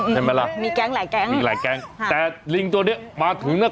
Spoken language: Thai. ใช่ไหมล่ะมีแก๊งหลายแก๊งมีหลายแก๊งค่ะแต่ลิงตัวเนี้ยมาถึงน่ะ